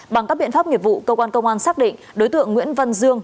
bằng các biện pháp nghiệp vụ công an xác định đối tượng nguyễn văn dương